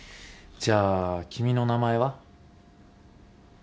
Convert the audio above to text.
じゃあ君の名前は？